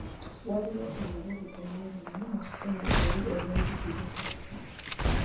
Waliwo emiziziko mingi nnyo mu kitundu eri ebyenjigiriza.